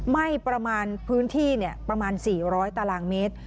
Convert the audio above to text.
ไหม้ประมาณพื้นที่ประมาณ๔๐๐ตารางเมตร